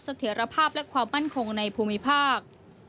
เถียรภาพและความมั่นคงในภูมิภาค